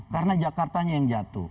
karena jakartanya yang jatuh